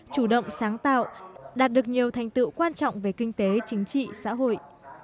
chủ động sáng tạo đạt được nhiều thành tựu quan trọng về kinh tế chính trị xã hội